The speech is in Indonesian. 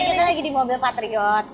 kita lagi di mobil patriot